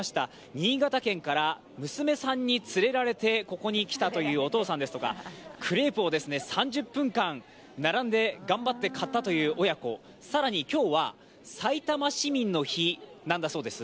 新潟県から娘さんに連れられてここに来たというお父さんですとかクレープを３０分間並んで、頑張って買ったという親子、更に今日は、さいたま市民の日なんだそうです。